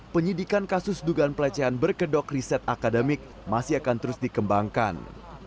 penyidikan kasus dugaan pelecehan berkedok riset akademik masih akan terus dikembangkan